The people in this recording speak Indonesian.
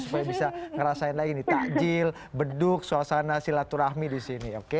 supaya bisa ngerasain lagi nih takjil beduk suasana silaturahmi di sini oke